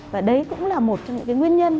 và đấy cũng là một trong những nguyên nhân